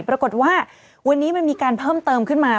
ปรากฏว่าวันนี้มันมีการเพิ่มเติมขึ้นมา